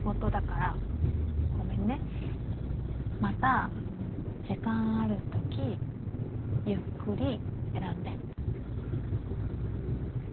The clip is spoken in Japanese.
また時間あるときゆっくり選んで。